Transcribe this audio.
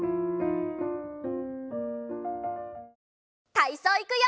たいそういくよ！